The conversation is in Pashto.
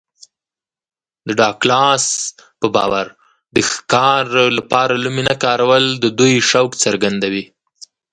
د ډاګلاس په باور د ښکار لپاره لومې نه کارول د دوی شوق څرګندوي